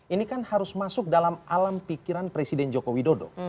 ini kan harus masuk dalam alam pikiran presiden joko widodo